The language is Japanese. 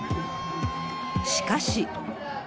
しかし。